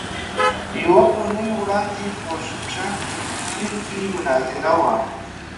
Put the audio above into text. يوه اونۍ وړاندې په شمشاد ټلوېزيون کې مناظره وه.